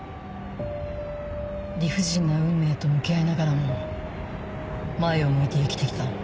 理不尽な運命と向き合いながらも前を向いて生きて来た。